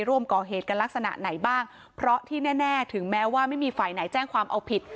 ร่วมก่อเหตุกันลักษณะไหนบ้างเพราะที่แน่ถึงแม้ว่าไม่มีฝ่ายไหนแจ้งความเอาผิด